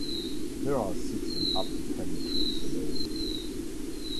There are six and up to ten trips a day.